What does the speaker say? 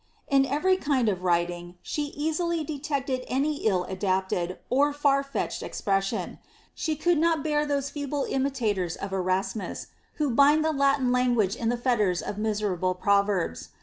^ In every kind of writing she easily detected any ill adapted or far fetched expreitsion. She could not be^r those feeble imitators of Eras mus, who bind the Latin language in the fetters of miserable proverbs.